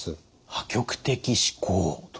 破局的思考と。